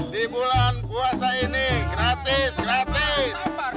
di bulan puasa ini gratis gratis